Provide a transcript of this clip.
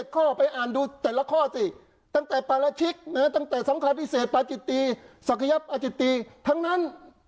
ข้อไปอ่านดูแต่ละข้อสิตั้งแต่ปราชิกตั้งแต่สำคัญพิเศษปาจิตีศักยับอาจิตีทั้งนั้น